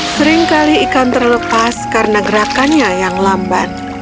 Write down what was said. seringkali ikan terlepas karena gerakannya yang lambat